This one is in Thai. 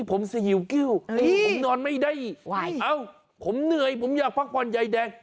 ผมสยิวกิ้วผมนอนไม่ได้เอ้าผมเหนื่อยผมอยากพักผ่อนยายแดง